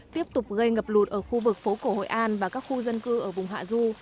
tiếp tục gây ngập lụt ở khu vực phố cổ hội an và các khu dân cư ở vùng hạ du